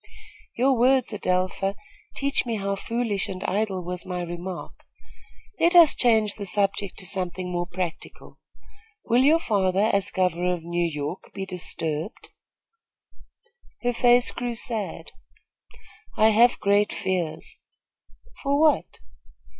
"Your words, Adelpha, teach me how foolish and idle was my remark. Let us change the subject to something more practical. Will your father, as governor of New York, be disturbed?" Her face grew sad. "I have great fears." "For what?"